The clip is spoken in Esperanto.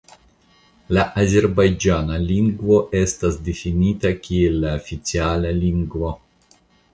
La azerbajĝana lingvo estas difinita kiel la oficiala lingvo.